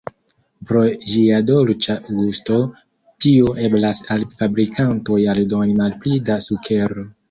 Pro ĝia dolĉa gusto, tio eblas al fabrikantoj aldoni malpli da sukero.